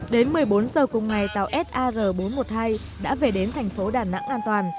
đến một mươi bốn giờ cùng ngày tàu sar bốn trăm một mươi hai đã về đến thành phố đà nẵng an toàn